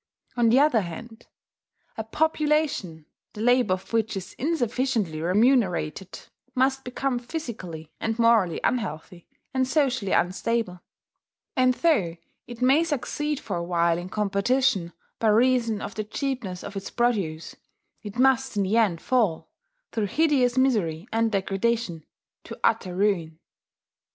On the other hand, a population, the labour of which is insufficiently remunerated, must become physically and morally unhealthy, and socially unstable; and though it may succeed for a while in competition, by reason of the cheapness of its produce, it must in the end fall, through hideous misery and degradation, to utter ruin.